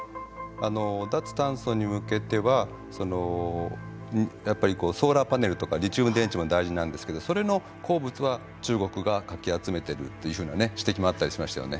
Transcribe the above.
脱炭素に向けてはやっぱりソーラーパネルとかリチウム電池も大事なんですけどそれの鉱物は中国がかき集めてるというふうなね指摘もあったりしましたよね。